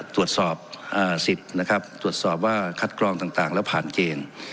ตรวจสอบสิทธิ์นะครับตรวจสอบว่าคัดกรองต่างแล้วผ่านเกณฑ์